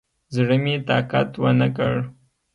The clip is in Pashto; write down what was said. زړه مې طاقت ونکړ.